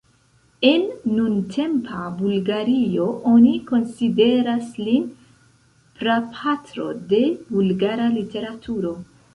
En nuntempa Bulgario oni konsideras lin prapatro de bulgara literaturo.